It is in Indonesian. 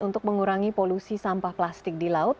untuk mengurangi polusi sampah plastik di laut